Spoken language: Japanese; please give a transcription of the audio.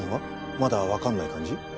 まだわかんない感じ？